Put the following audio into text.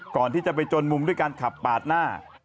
ก่อนที่จะไปจนมุมด้วยการขับปาดหน้า